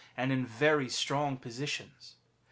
and in very strong positions.